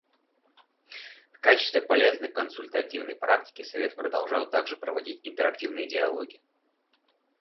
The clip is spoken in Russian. В качестве полезной консультативной практики Совет продолжал также проводить интерактивные диалоги.